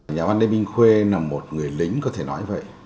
nhà văn lê minh khuê là một người lính có thể nói vậy